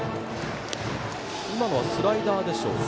今のはスライダーでしょうか。